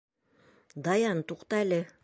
Даян, туҡта әле!